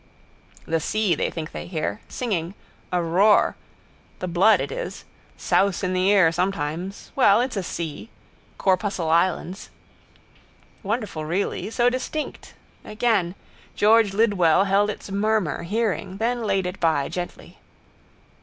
The sea they think they hear. Singing. A roar. The blood it is. Souse in the ear sometimes. Well, it's a sea. Corpuscle islands. Wonderful really. So distinct. Again. George Lidwell held its murmur, hearing: then laid it by, gently.